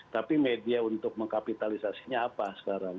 tapi media untuk mengkapitalisasinya apa sekarang